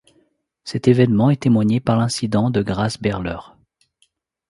Cet évènement est témoigné par l’incident de Grâce-Berleur.